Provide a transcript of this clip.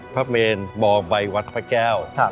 พระเมนมองใบวัดพระแก้ว